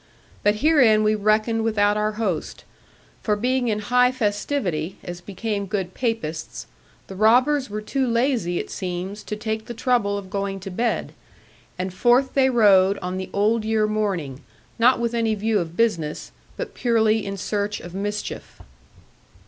But herein we reckoned without our host: for being in high festivity, as became good Papists, the robbers were too lazy, it seems, to take the trouble of going to bed; and forth they rode on the Old Year morning, not with any view of business, but purely in search of mischief.